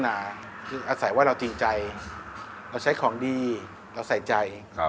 คืออาศัยว่าเราจริงใจเราใช้ของดีเราใส่ใจ